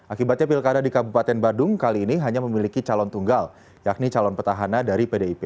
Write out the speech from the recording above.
akibatnya pilkada di kabupaten badung kali ini hanya memiliki calon tunggal yakni calon petahana dari pdip